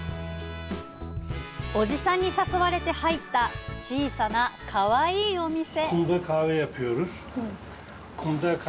おじさんに誘われて入った小さな、かわいいお店。